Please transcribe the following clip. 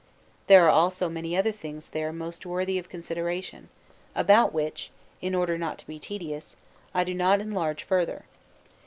There are also many other things there most worthy of consideration, about which, in order not to be tedious, I do not enlarge further.